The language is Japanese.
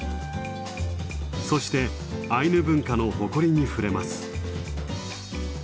そしてアイヌ文化の誇りに触れます。